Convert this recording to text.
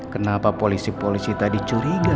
kenapa polisi polisi tadi curiga